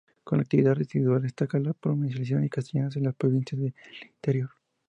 Como actividad residual destaca la comercialización de castañas en las provincias del interior.